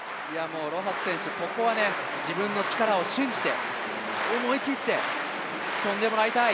ロハス選手、ここは自分の力を信じて思い切って跳んでもらいたい。